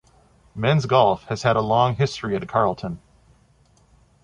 Men's golf has had a long history at Carleton.